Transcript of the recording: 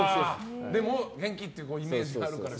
でも元気っていうイメージがあるからね。